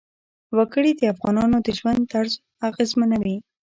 وګړي د افغانانو د ژوند طرز اغېزمنوي.